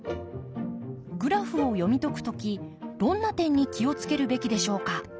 グラフを読み解く時どんな点に気を付けるべきでしょうか？